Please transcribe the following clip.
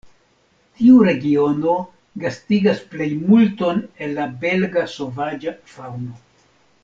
Tiu regiono gastigas plejmulton el la belga sovaĝa faŭno.